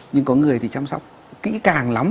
nhưng có người thì chăm sóc kỹ càng lắm